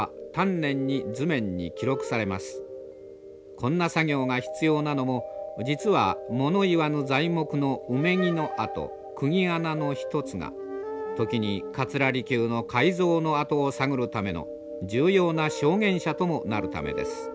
こんな作業が必要なのも実は物言わぬ材木の埋木の跡くぎ穴の一つが時に桂離宮の改造の跡を探るための重要な証言者ともなるためです。